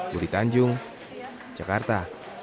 duri tanjung jakarta